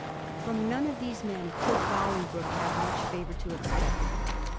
From none of these men could Bolingbroke have much fiivour to expect.